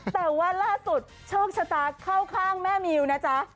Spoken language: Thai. แต่ว่าล่าสุดโชคชะตาเข้าข้างแม่มิวนะจ๊ะ